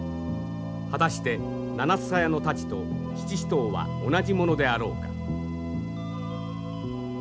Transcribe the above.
果たして七枝刀と七支刀は同じものであろうか。